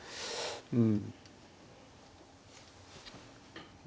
うん。